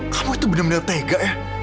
kamu itu bener bener tega ya